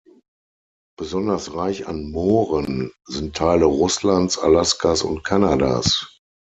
Besonders reich an Mooren sind Teile Russlands, Alaskas und Kanadas.